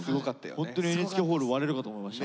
ホントにＮＨＫホール割れるかと思いました。